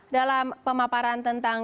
dalam pemaparan tentang